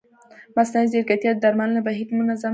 مصنوعي ځیرکتیا د درملنې بهیر منظموي.